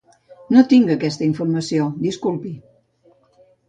No tinc aquesta informació, disculpi.